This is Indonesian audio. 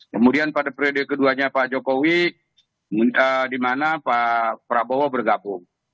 kemudian pada periode keduanya pak jokowi di mana pak prabowo bergabung